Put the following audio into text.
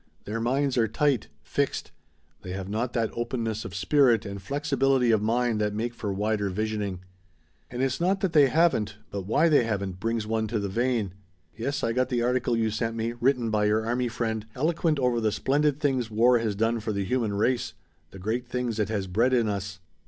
Their minds are tight fixed. They have not that openness of spirit and flexibility of mind that make for wider visioning. "And it's not that they haven't, but why they haven't, brings one to the vein. "Yes, I got the article you sent me, written by your army friend, eloquent over the splendid things war has done for the human race, the great things it has bred in us.